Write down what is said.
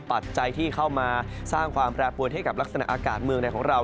ปัจจัยที่เข้ามาสร้างความแปรปวนให้กับลักษณะอากาศเมืองในของเรา